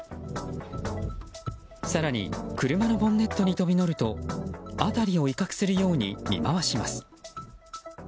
更に車のボンネットに飛び乗ると辺りを威嚇するように見回します。